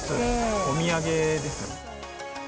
お土産ですね。